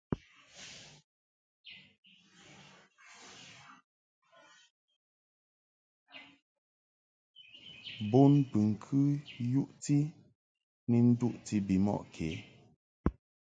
Bonbɨŋkɨ yuʼti ni duʼti bimɔʼ kě.